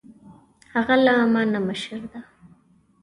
هغه له ما نه مشر ده